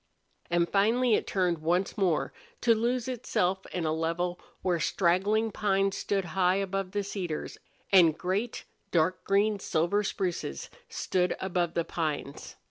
And finally it turned once more, to lose itself in a level where straggling pines stood high above the cedars, and great, dark green silver spruces stood above the pines.